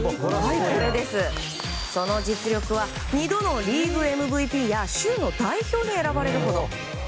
その実力は２度のリーグＭＶＰや州の代表に選ばれるほど。